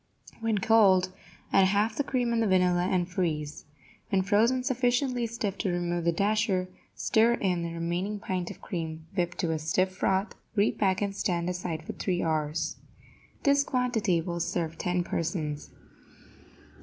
When cold, add half the cream and the vanilla, and freeze. When frozen sufficiently stiff to remove the dasher, stir in the remaining pint of cream whipped to a stiff froth, repack and stand aside for three hours. This quantity will serve ten persons.